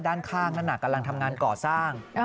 ด้านข้างนั้นกำลังทำงานก่อสร้าง